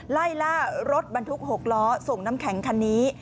ไล่ล่ารถบรรทุก๖ล้อส่งน้ำแข็งคันนี้